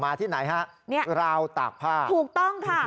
ที่ไหนฮะเนี่ยราวตากผ้าถูกต้องค่ะ